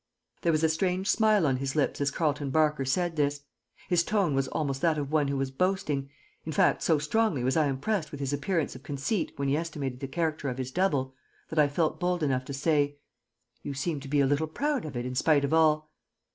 There was a strange smile on his lips as Carleton Barker said this. His tone was almost that of one who was boasting in fact, so strongly was I impressed with his appearance of conceit when he estimated the character of his double, that I felt bold enough to say: "You seem to be a little proud of it, in spite of all."